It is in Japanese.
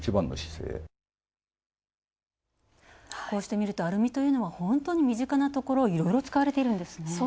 こうしてみるとアルミというのはほんとに身近なところにいろいろ使われていますね。